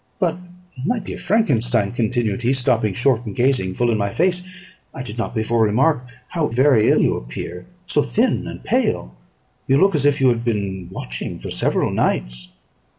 But, my dear Frankenstein," continued he, stopping short, and gazing full in my face, "I did not before remark how very ill you appear; so thin and pale; you look as if you had been watching for several nights."